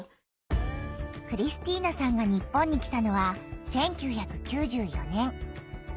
クリスティーナさんが日本に来たのは１９９４年。